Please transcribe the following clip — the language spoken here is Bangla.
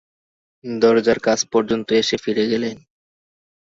দরজার কাছ পর্যন্ত এসে ফিরে গেলেন।